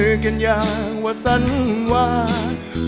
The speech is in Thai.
ขอบคุณมากขอบคุณมาก